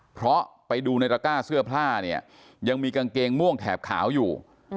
เพราะไปดูในตระก้าเสื้อผ้าเนี่ยยังมีกางเกงม่วงแถบขาวอยู่